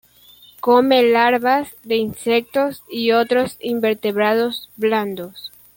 Come larvas de insectos y otros invertebrados blandos.